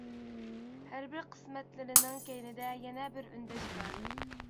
ھەر بىر قىسمەتلىرىنىڭ كەينىدە يەنە بىر ئۈندەش بار!